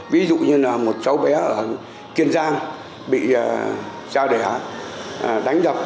ví dụ như là một cháu bé ở kiên giang bị cha đẻ đánh giập